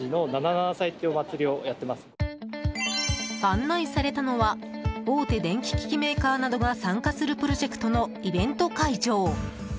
案内されたのは大手電気機器メーカーなどが参加するプロジェクトのイベント会場。